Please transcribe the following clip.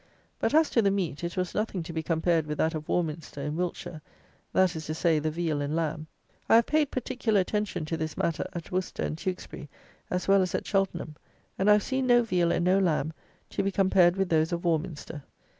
But as to the meat, it was nothing to be compared with that of Warminster, in Wiltshire; that is to say, the veal and lamb. I have paid particular attention to this matter, at Worcester and Tewksbury as well as at Cheltenham; and I have seen no veal and no lamb to be compared with those of Warminster.